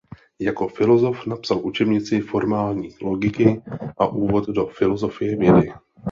Jako filozof napsal učebnici formální logiky a úvod do filozofie vědy.